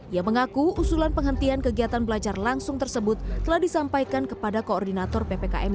ia mengaku usulan penghentian kegiatan belajar langsung tersebut telah disampaikan kepada koordinator ppkm